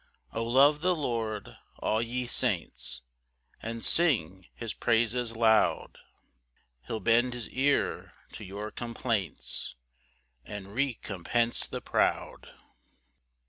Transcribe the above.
7 O love the Lord, all ye his saints, And sing his praises loud; He'll bend his ear to your complaints, And recompense the proud.